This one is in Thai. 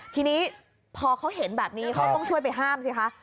ทีนี้พอเขาเห็นแบบนี้เขาต้องช่วยไปห้ามสิคะ